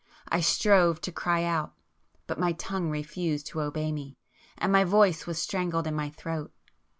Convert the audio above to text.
I strove to cry out,—but my tongue refused to obey me—and my voice was strangled in my throat.